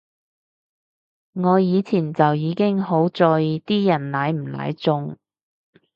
我以前就已經好在意啲人奶唔奶中